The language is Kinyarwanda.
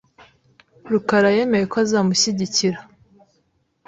rukara yemeye ko azamushyigikira .